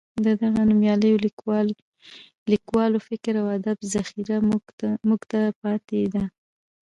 د دغو نومیالیو لیکوالو فکر او ادب ذخیره موږ ته پاتې ده.